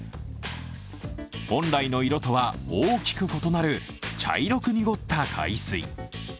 本来の色とは大きく異なる茶色く濁った海水。